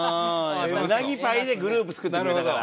「うなぎパイ」でグループ作ってくれたから。